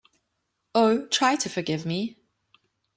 Oh, try to forgive me!